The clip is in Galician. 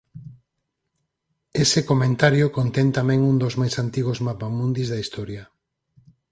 Ese "Comentario" contén tamén un dos máis antigos mapamundis da historia.